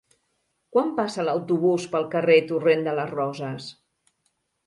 Quan passa l'autobús pel carrer Torrent de les Roses?